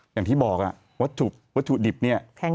อย่างที่บอกวัตถุดิบเนี่ย